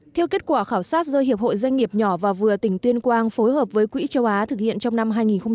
theo kết quả khảo sát do hiệp hội doanh nghiệp nhỏ và vừa tỉnh tuyên quang phối hợp với quỹ châu á thực hiện trong năm hai nghìn một mươi chín